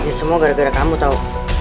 ya semua gara gara kamu tahu